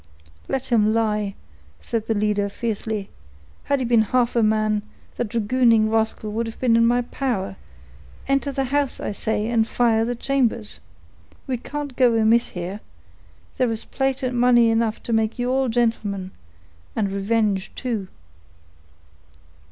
"Let him lie," said the leader, fiercely. "Had he been half a man, that dragooning rascal would have been in my power; enter the house, I say, and fire the chambers. We can't go amiss here; there is plate and money enough to make you all gentlemen—and revenge too."